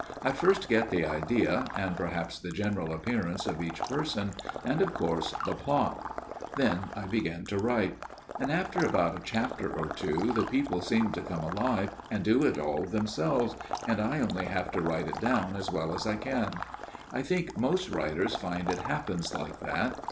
I first get the idea, and perhaps the general appearance of each person, and of course the plot ; then I begin to write ; and after about a chapter or two the people seem to come alive and to do it all themselves, and I only have to write it down as well as I can. I think most writers find it happens like that.